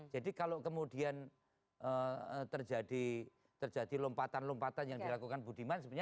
jadi kalau kemudian terjadi lompatan lompatan yang dilakukan budiman sebenarnya